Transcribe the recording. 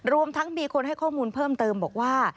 รวมทั้งมีคนให้ข้อมูลเพิ่มเติมบอกว่า